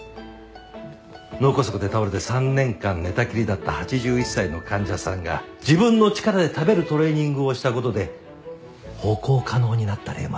脳梗塞で倒れて３年間寝たきりだった８１歳の患者さんが自分の力で食べるトレーニングをした事で歩行可能になった例もあります。